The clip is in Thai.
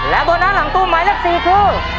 โบนัสหลังตู้หมายเลข๔คือ